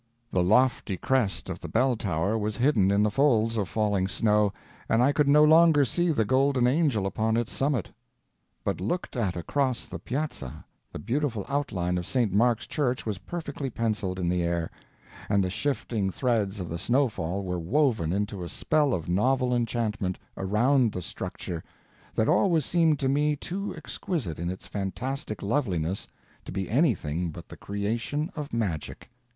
The lofty crest of the bell tower was hidden in the folds of falling snow, and I could no longer see the golden angel upon its summit. But looked at across the Piazza, the beautiful outline of St. Mark's Church was perfectly penciled in the air, and the shifting threads of the snowfall were woven into a spell of novel enchantment around the structure that always seemed to me too exquisite in its fantastic loveliness to be anything but the creation of magic.